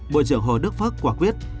bộ trưởng hồ đức phước quả quyết